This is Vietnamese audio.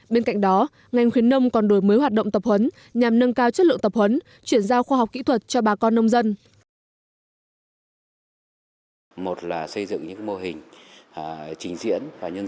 bên cạnh đó ngành khuyến nông còn đổi mới hoạt động tập huấn nhằm nâng cao chất lượng tập huấn chuyển giao khoa học kỹ thuật cho bà con nông dân